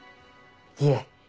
いえ